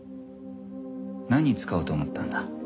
何に使おうと思ったんだ？